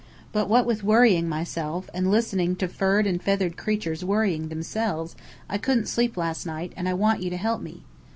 But what with worrying myself, and listening to furred and feathered creatures worrying themselves, I couldn't sleep last night, and I want you to help me!